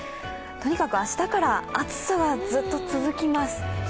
とにかく明日から暑さはずっと続きます。